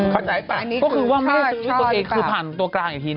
เข้าใจป่ะก็คือว่าไม่ได้ซื้อตัวเองคือผ่านตัวกลางอยู่ทีนี้